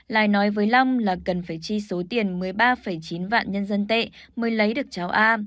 lai nói với long là cần phải chi số tiền một mươi ba chín vạn nhân dân tệ mới lấy được cháu a